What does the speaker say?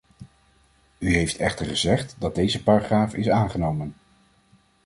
U heeft echter gezegd dat deze paragraaf is aangenomen.